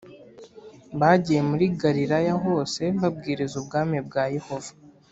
Bagiye muri Galilaya hose babwiriza Ubwami bwa Yehova